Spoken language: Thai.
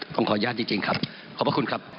ผมขออนุญาตจริงครับขอบพระคุณครับ